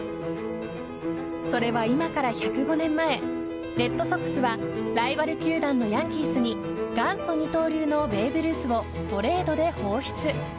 それは今から１０５年前レッドソックスはライバル球団のヤンキースに元祖二刀流のベーブ・ルースをトレードで放出。